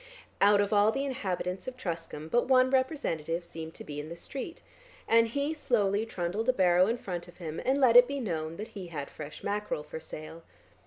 Out of all the inhabitants of Truscombe but one representative seemed to be in the street, and he slowly trundled a barrow in front of him and let it be known that he had fresh mackerel for sale.